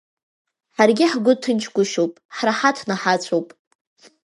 Ҳаргьы ҳгәы ҭынчгәышьоуп, ҳраҳаҭны ҳацәоуп.